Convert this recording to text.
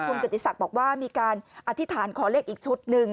คุณกิติศักดิ์บอกว่ามีการอธิษฐานขอเลขอีกชุดหนึ่ง